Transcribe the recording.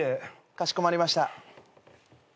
かしこまりました。